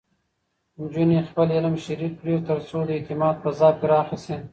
نجونې خپل علم شریک کړي، ترڅو د اعتماد فضا پراخه شي.